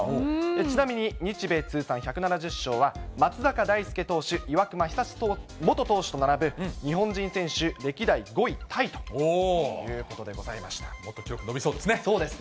ちなみに、日米通算１７０勝は、松坂大輔投手、岩隈久志元投手と並ぶ、日本人選手歴代５位タイともっと記録伸びそうですね。